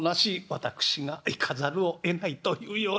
私が行かざるをえないというような」。